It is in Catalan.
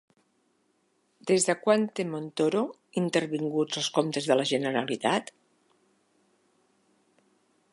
Des de quan té Montoro intervinguts els comptes de la Generalitat?